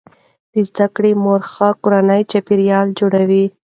د زده کړې مور ښه کورنی چاپیریال جوړوي.